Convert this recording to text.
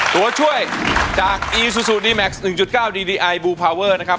ตัวช่วยจากอีซูซูดีแม็กซ์๑๙ดีดีไอบูพาเวอร์นะครับ